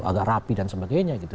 agak rapi dan sebagainya gitu